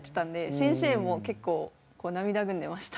先生も結構涙ぐんでました。